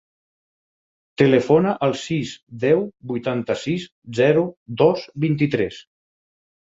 Telefona al sis, deu, vuitanta-sis, zero, dos, vint-i-tres.